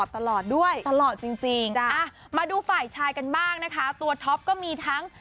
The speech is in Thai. ตลอดด้วยตลอดจริงมาดูฝ่ายชายกันบ้างนะคะตัวท็อปก็มีทั้ง